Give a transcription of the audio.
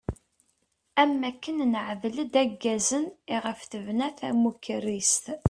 Am akken neɛdel-d aggazen iɣef tebna tamukerrist.